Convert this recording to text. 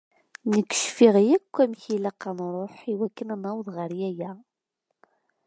Nekk cfiɣ yakk amek i ilaq ad nṛuḥ i wakken ad naweḍ ɣer yaya.